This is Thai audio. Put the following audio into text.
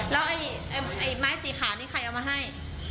แล้วไอ้ไม้สีขาวนี่ใครเอามาให้